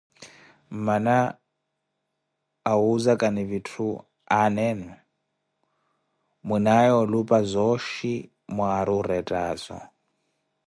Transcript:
Mmana awuzakani vitthu aana enu, mwinaaye olupa zooxhi mwaari orettaazo.